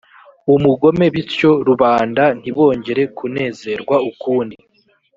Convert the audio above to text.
umugome bityo rubanda ntibongera kunezerwa ukundi